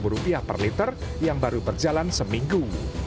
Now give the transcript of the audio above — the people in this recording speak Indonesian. rp empat belas per liter yang baru berjalan seminggu